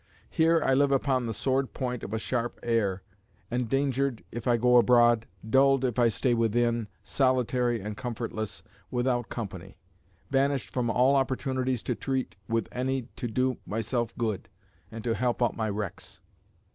Here I live upon the sword point of a sharp air, endangered if I go abroad, dulled if I stay within, solitary and comfortless, without company, banished from all opportunities to treat with any to do myself good, and to help out my wrecks."